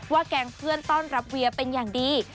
แกล้งเพื่อนต้อนรับเวียเป็นอย่างดี